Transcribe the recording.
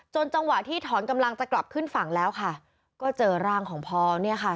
จังหวะที่ถอนกำลังจะกลับขึ้นฝั่งแล้วค่ะก็เจอร่างของพอเนี่ยค่ะ